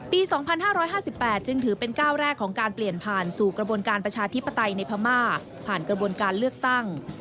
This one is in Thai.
ปี๒๕๕๘จึงถือเป็นก้าวแรกของการเปลี่ยนผ่านสู่กระบวนการประชาธิปไตยในพม่าผ่านกระบวนการเลือกตั้ง